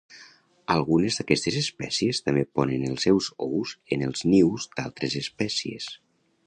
Algunes d'aquestes espècies també ponen els seus ous en els nius d'altres espècies.